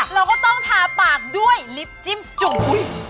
เราก็ต้องทาปากด้วยลิฟต์จิ้มจุ่ม